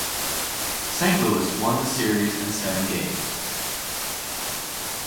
Saint Louis won the series in seven games.